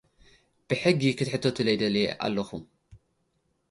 ብሕጊ ክሕተቱለይ ደሊየ ኣለኹ።